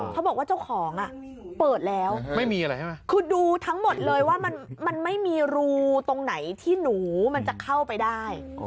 เขาบอกว่าเจ้าของเปิดแล้วไม่มีอะไรใช่ไหมคือดูทั้งหมดเลยว่ามันไม่มีรูตรงไหนที่หนูมันจะเข้าไปได้